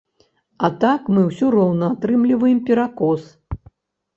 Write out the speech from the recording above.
А так мы ўсё роўна атрымліваем перакос.